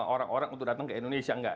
orang orang untuk datang ke indonesia